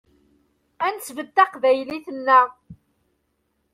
Ad nesbedd taqbaylit-nneɣ.